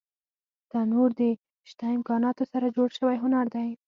تنور د شته امکاناتو سره جوړ شوی هنر دی